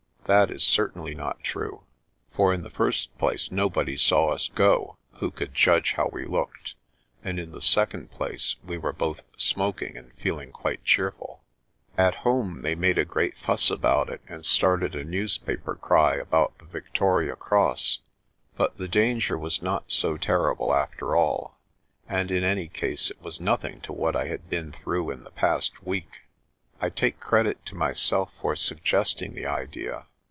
That is certainly not true, for in the first place nobody saw us go who could judge how we looked, and in the second place we were both smoking and feeling quite cheerful. At home 260 PRESTER JOHN they made a great fuss about it and started a newspaper cry about the Victoria Cross, but the danger was not so terrible after all, and in any case it was nothing to what I had been through in the past week. I take credit to myself for suggesting the idea.